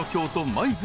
舞鶴。